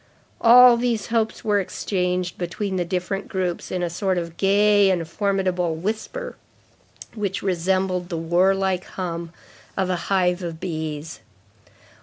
All these hopes were exchanged between the different groups in a sort of gay and formidable whisper which resembled the warlike hum of a hive of bees.